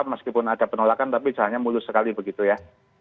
walaupun ada penolakan tapi jahannya mulus sekali begitu ya